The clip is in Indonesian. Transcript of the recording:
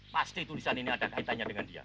pasti tulisan ini ada kaitannya dengan dia